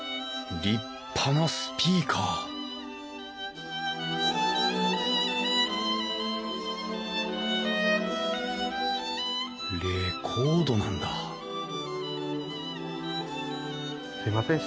立派なスピーカーレコードなんだすいません。